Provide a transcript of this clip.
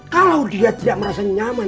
kalau dia tidak merasa nyaman